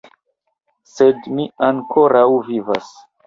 Sed mi ankoraŭ vivas.